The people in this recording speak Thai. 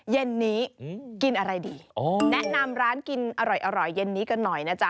เย็นนี้กินอะไรดีแนะนำร้านกินอร่อยเย็นนี้กันหน่อยนะจ๊